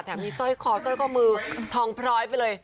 ใส่มีสร้อยครือสร้อยกลบมือทองพร้อยไปเลย